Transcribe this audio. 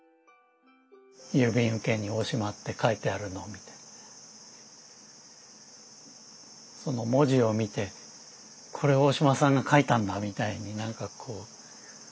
郵便受けに「大島」って書いてあるのを見てその文字を見て「これ大島さんが書いたんだ」みたいになんかこう思って。